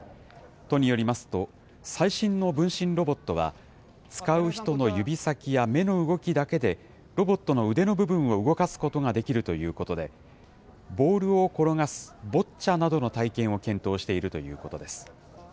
都によりますと、最新の分身ロボットは、使う人の指先や目の動きだけでロボットの腕の部分を動かすことができるということで、ボールを転がすボッチャなどの体験を検討しているということです。